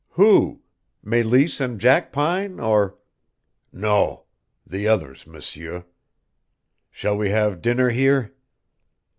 "Who? Meleese and Jackpine, or " "No, the others, M'seur. Shall we have dinner here?"